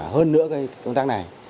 hơn nữa cái công tác này